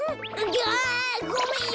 あごめんよ！